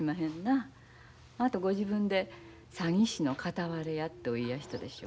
あなたご自分で詐欺師の片割れやってお言いやしたでしょ？